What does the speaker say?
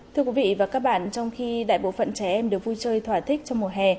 thưa quý vị và các bạn trong khi đại bộ phận trẻ em được vui chơi thỏa thích trong mùa hè